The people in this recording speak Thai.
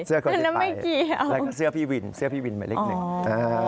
คนที่ไปแล้วก็เสื้อพี่วินเสื้อพี่วินหมายเลขหนึ่งอ่า